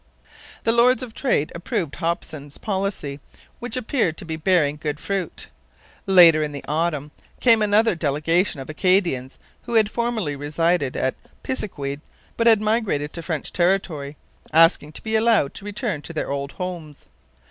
The Lords of Trade approved Hopson's policy, which appeared to be bearing good fruit. Later in the autumn came another delegation of Acadians who had formerly resided at Pisiquid but had migrated to French territory, asking to be allowed to return to their old homes.